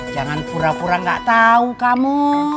jangan pura pura gak tahu kamu